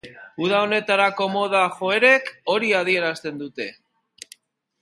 Uda honetarako moda joerek hori adierazten dute.